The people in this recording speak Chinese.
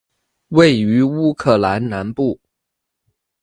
位于乌克兰南部。